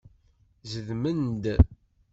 Zedmen-d.